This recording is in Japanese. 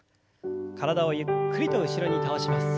体をゆっくりと後ろに倒します。